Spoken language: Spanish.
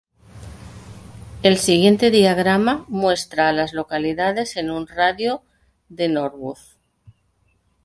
El siguiente diagrama muestra a las localidades en un radio de de Norwood.